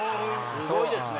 すごいですね。